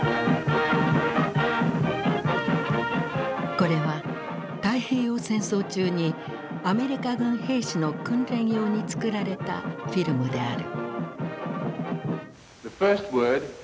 これは太平洋戦争中にアメリカ軍兵士の訓練用に作られたフィルムである。